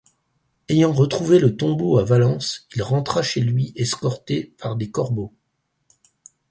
Ayant retrouvé le tombeau à Valence, il rentra chez lui escorté par des corbeaux.